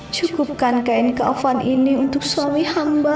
cukupkan kain kafan ini untuk suami hamba